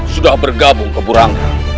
sudah bergabung ke burangang